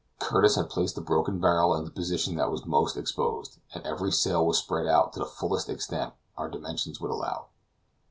Curtis had placed the broken barrel in the position that was most exposed, and every sail was spread out to the fullest extent our dimensions would allow.